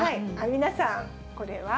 皆さん、これは×？